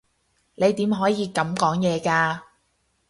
你點可以噉講嘢㗎？